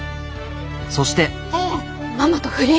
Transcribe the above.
そしてママと不倫！？